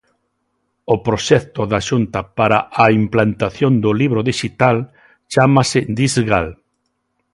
O proxecto da Xunta para a implantación do libro dixital chámase dixgal.